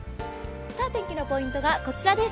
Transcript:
天気のポイントがこちらです。